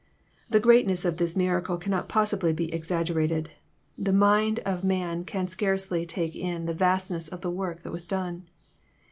'* The greatness of this miracle cannot possibly be ex aggerated. The mind of man can scarcely take in the vastness of the work that was done.